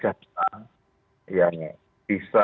menghadapi kejahatan yang bisa